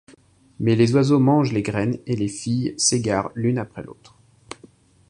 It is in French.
Mais les oiseaux mangent les graines et les filles s'égarent l'une après l'autre.